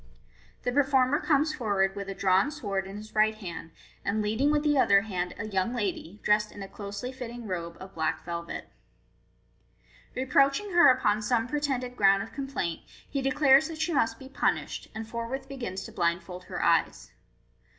The performer comes forward with a drawn sword in his right hand, and leading with the other hand a 478 MODERN MAGIC young lady, dressed in a closely fitting robe of black velvet. Re proaching her upon some pretended ground of complaint, he declares that she must be punished, and forthwith begins to blindfold her eyes.